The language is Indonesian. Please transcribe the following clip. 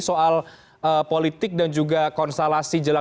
soal politik dan juga konstelasi jelang dua ribu dua puluh empat